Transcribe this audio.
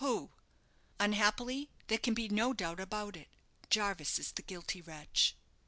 "Who? Unhappily there can be no doubt about it. Jarvis is the guilty wretch."